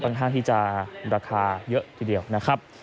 ข้างที่จะราคาเยอะทีเดียวนะครับ